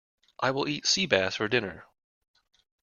I will eat sea bass for dinner.